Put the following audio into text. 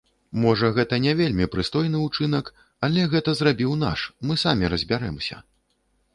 Можа, гэта не вельмі прыстойны ўчынак, але гэта зрабіў наш, мы самі разбярэмся.